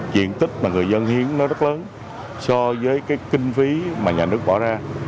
diện tích mà người dân hiến nó rất lớn so với cái kinh phí mà nhà nước bỏ ra